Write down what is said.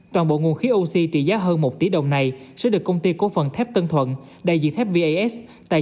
toàn bộ nguồn khí oxy trị giá hơn một tỷ đồng này sẽ được công ty cố phần thép tân thuận đại diện thép vas